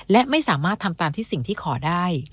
และไม่สามารถทำตามที่สิ่งที่ขอได้